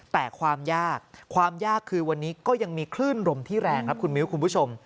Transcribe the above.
แต่ความยากความยากคือวันนี้ก็ยังมีคลื่นลมที่แรงครับคุณมิ้วคุณผู้ชม